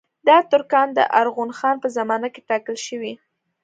دا ترکان د ارغون خان په زمانه کې ټاکل شوي.